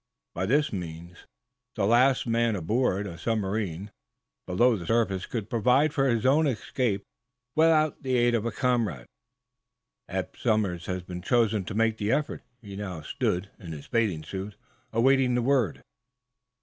By this means the last man aboard a submarine below the surface could provide for his own escape, without the aid of a comrade. Eph Somers had been chosen to make the effort. He now stood, in his bathing suit, awaiting the word.